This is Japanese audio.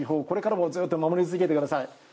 これからもずっと守り続けてください。